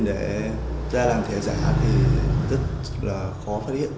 để ra làm thẻ giả thì rất là khó phát hiện ra đâu là thẻ giả và đâu là thẻ thật